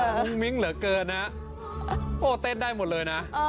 มุ้งมิ้งเหลือเกินนะโอ้เต้นได้หมดเลยนะ